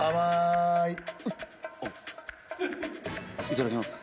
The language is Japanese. いただきます。